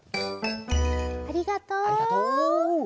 ありがとう。